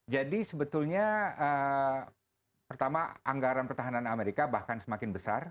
sebetulnya pertama anggaran pertahanan amerika bahkan semakin besar